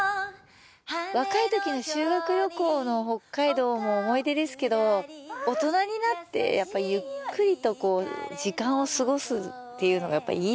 若いときの修学旅行の北海道も思い出ですけど大人になってゆっくりと時間を過ごすっていうのがやっぱいいですね。